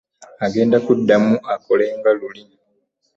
Agenda kuddamu akole nga luli.